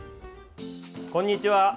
こんにちは。